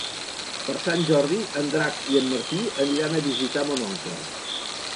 Per Sant Jordi en Drac i en Martí aniran a visitar mon oncle.